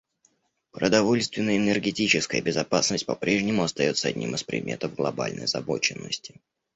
Продовольственная и энергетическая безопасность по-прежнему остается одним из предметов глобальной озабоченности.